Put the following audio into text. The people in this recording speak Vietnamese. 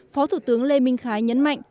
phó thủ tướng lê minh khái nhấn mạnh